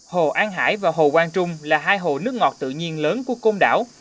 hồ an hải và hồ quang trung là hai hồ nước ngọt tự nhiên lớn của côn đảo